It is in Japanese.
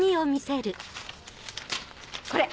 これ。